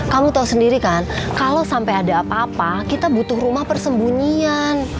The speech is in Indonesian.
kamu tahu sendiri kan kalau sampai ada apa apa kita butuh rumah persembunyian